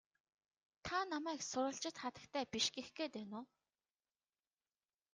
Та намайг сурвалжит хатагтай биш гэх гээд байна уу?